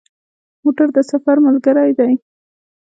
موټر د سفر ملګری دی.